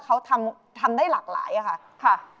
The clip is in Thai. เขาทำได้หลากหลายค่ะ